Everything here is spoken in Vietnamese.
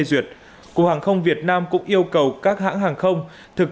hàng không việt nam phê duyệt cục hàng không việt nam cũng yêu cầu các hãng hàng không thực